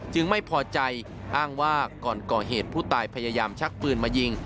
ไม่พอใจอ้างว่าก่อนก่อเหตุผู้ตายพยายามชักปืนมายิง